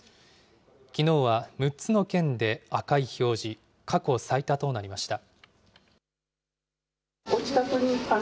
きのうは６つの県で赤い表示、過去最多となりました。